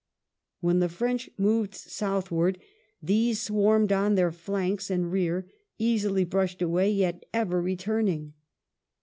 When the French moved south ward these swarmed on their flanks and rear, easily brushed away, yet ever returning.